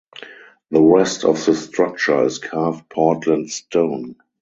The rest of the structure is carved Portland stone.